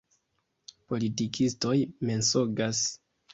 Politikistoj mensogas.